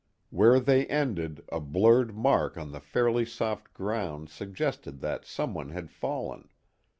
Where they ended, a blurred mark on the fairly soft ground suggested that someone had fallen.